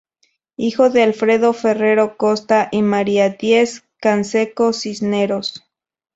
Hijo de Alfredo Ferrero Costa y Maria Diez-Canseco Cisneros.